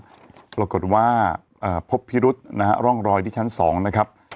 ในแท้งน้ำรวบกฎว่าเอ่อพบพิรุษนะฮะร่องรอยที่ชั้นสองนะครับ